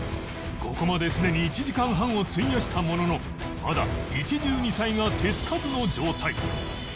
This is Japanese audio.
ここまですでに１時間半を費やしたもののまだ一汁二菜が手つかずの状態